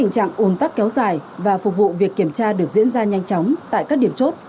các kéo dài và phục vụ việc kiểm tra được diễn ra nhanh chóng tại các điểm chốt